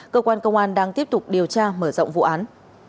cơ quan công an đang tiếp tục điều tra mở rộng vụ án